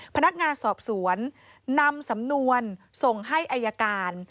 พนักงานสอบสวนนำสำนวนส่งให้อายการ